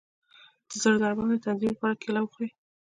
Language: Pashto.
د زړه د ضربان د تنظیم لپاره کیله وخورئ